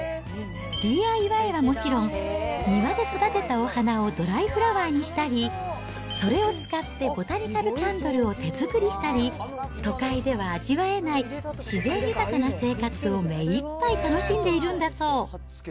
ＤＩＹはもちろん、庭で育てたお花をドライフラワーにしたり、それを使ってボタニカルキャンドルを手作りしたり、都会では味わえない、自然豊かな生活を目いっぱい楽しんでいるんだそう。